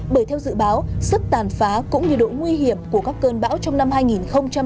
bởi theo dự báo sức tàn phá cũng như độ nguy hiểm của các cơn bão trong năm hai nghìn hai mươi ba sẽ khốc liệt hơn rất nhiều